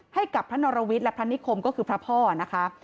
ให้กับพระนรวิทย์และพระนิคมก็คือพระพ่อนะคะ